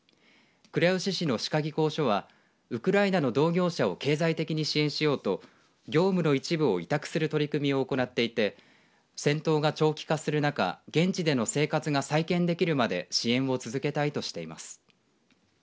倉吉市の歯科技工士所はウクライナの同業者を経済的に支援しようと業務の一部を委託する取り組みを行っていて戦闘が長期化する中現地での生活が再建できるまで支援を続けたいとしています。